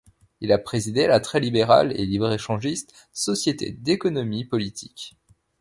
Il a présidé la très libérale et libre-échangiste Société d'économie politique.